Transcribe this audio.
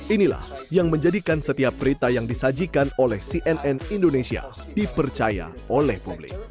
inilah yang menjadikan setiap berita yang disajikan oleh cnn indonesia dipercaya oleh publik